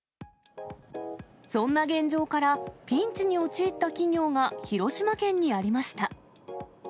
そんな現状から、ピンチに陥った企業が広島県にありました。